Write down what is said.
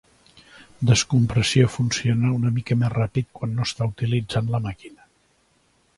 Descompressió funciona una mica més ràpid quan no està utilitzant la màquina.